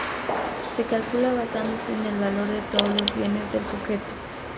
Se calcula basándose en el valor de todos los bienes del sujeto.